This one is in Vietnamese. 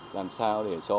làm sao để cho